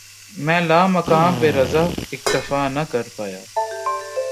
مَیں لامکاں پہ رضاؔ ، اکتفا نہ کر پایا